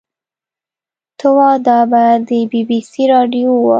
ته وا دا به د بي بي سي راډيو وه.